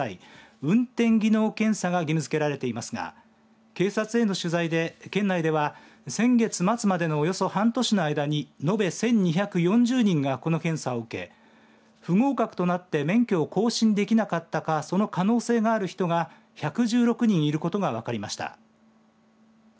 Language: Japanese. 運転技能検査が義務付けられていますが警察への取材で県内では先月末までのおよそ半年の間に延べ１２４０人がこの検査を受け不合格となって免許を更新できなかったかその可能性がある人が１１６人いることが分かりました。